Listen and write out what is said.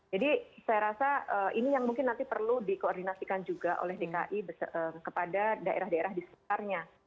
jadi saya rasa ini yang mungkin nanti perlu dikoordinasikan juga oleh dki kepada daerah daerah di sekitarnya